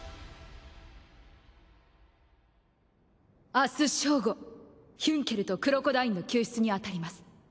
明日正午ヒュンケルとクロコダインの救出にあたります。